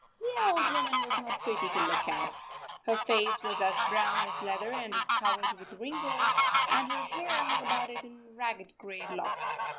The old woman was not pretty to look at. Her face was as brown as leather and covered with wrinkles, and her hair hung about it in ragged gray locks.